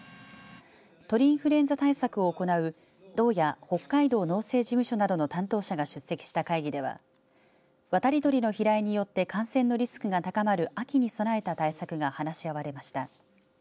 鳥インフルエンザ対策を行う道や北海道農政事務所などの担当者が出席した会議では渡り鳥の飛来によって感染のリスクが高まる秋に備えた対策が話し合われました。